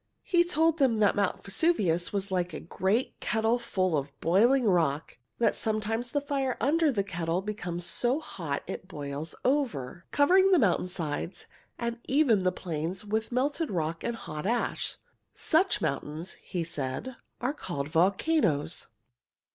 He told them that Mount Vesuvius was like a great kettle full of boiling rock, that sometimes the fire under the kettle becomes so hot it boils over, covering the mountain sides and even the plains with melted rock and hot ashes. Such mountains, he said, are called volcanoes.